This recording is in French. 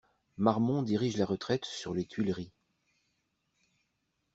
Marmont dirige la retraite sur les Tuileries.